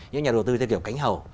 những nhà đầu tư theo kiểu cánh hầu